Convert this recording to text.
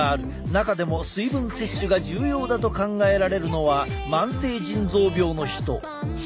中でも水分摂取が重要だと考えられるのは慢性腎臓病の人。